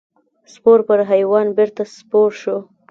سپور پر حیوان بېرته سپور شو.